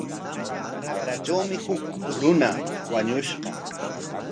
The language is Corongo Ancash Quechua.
Raqratrawmi huk runa wañushqa.